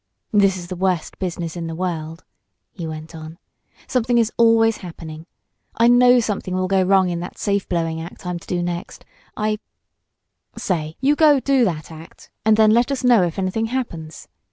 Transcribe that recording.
"This is the worst business in the world," he went on. "Something is always happening. I know something will go wrong in that safe blowing act I'm to do next. I " "Say, you go do that act, and then let us know if anything happens!"